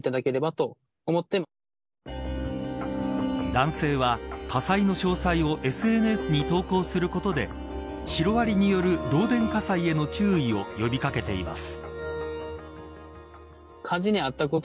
男性は、火災の詳細をＳＮＳに投稿することでシロアリによる漏電火災への注意を呼び掛けています。